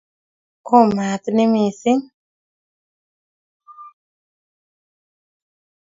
Oo maat ni missing'